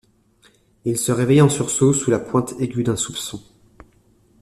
Et il se réveilla en sursaut, sous la pointe aiguë d’un soupçon.